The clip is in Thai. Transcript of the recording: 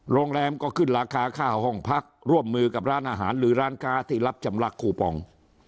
โรงแรมก็ขึ้นราคาค่าห้องพักร่วมมือกับร้านอาหารหรือร้านค้าที่รับจำลักคูปอง